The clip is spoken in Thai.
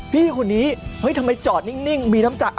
พี่คนนี้ทำไมจอดนิ่งมีน้ำจ่าย